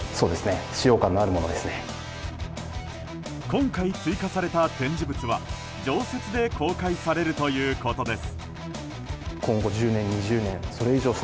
今回、追加された展示物は常設で公開されるということです。